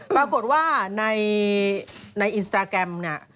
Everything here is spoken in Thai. ปรากฏว่าในอินสตาแกรมเนี่ย